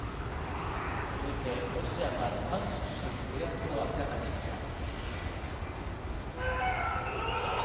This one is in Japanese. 続いてロシアがルハンシク州制圧を明らかにしました。